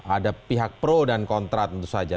ada pihak pro dan kontra tentu saja